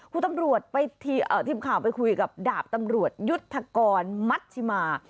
คุณตำรวจทีมข่าวไปคุยกับดาบตำรวจยุทธกรมัชชิมา